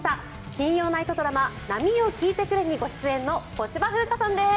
金曜ナイトドラマ「波よ聞いてくれ」にご出演の小芝風花さんです。